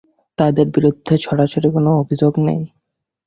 তাঁদের বিরুদ্ধে সরাসরি কোনো অভিযোগও নেই।